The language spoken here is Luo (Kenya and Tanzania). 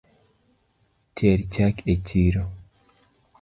Ter chak e chiro